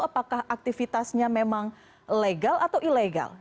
apakah aktivitasnya memang legal atau ilegal